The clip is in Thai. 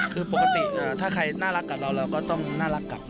คือปกติถ้าใครน่ารักกับเราเราก็ต้องน่ารักกลับ